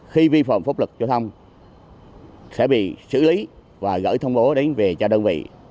khi vi phạm phốc lực giao thông sẽ bị xử lý và gửi thông bố đến về cho đơn vị